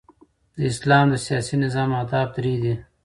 د اسلام د سیاسي نظام اهداف درې دي.